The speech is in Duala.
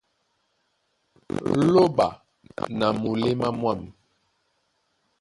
Lóɓa na muléma mwâm.